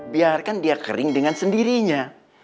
biarkan dia kering dengan sendirinya